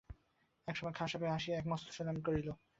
এমন সময়ে খাঁ সাহেব আসিয়া এক মস্ত সেলাম করিল।